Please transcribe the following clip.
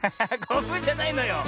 こぶじゃないのよ。